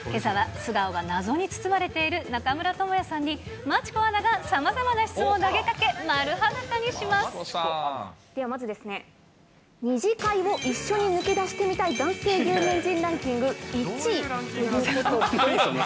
素顔が謎に包まれている中村倫也さんに、真知子アナがさまざまなではまずですね、２次会を一緒に抜け出してみたい男性有名人ランキング１位という何？